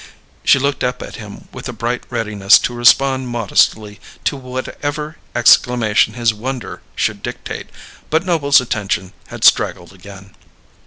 She looked up at him with a bright readiness to respond modestly to whatever exclamation his wonder should dictate; but Noble's attention had straggled again.